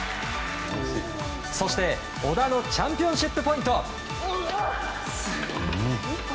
そして、小田のチャンピオンシップポイント。